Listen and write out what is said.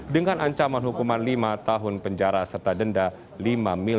dengan ancaman hukuman lima tahun penjara serta dendam